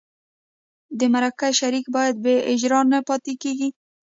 د مرکه شریک باید بې اجره نه پاتې کېږي.